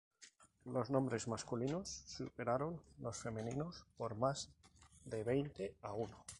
Los nombres masculinos superaron los femeninos por más de veinte a uno.